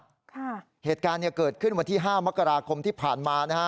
ค่ะเหตุการณ์เนี่ยเกิดขึ้นวันที่ห้ามกราคมที่ผ่านมานะฮะ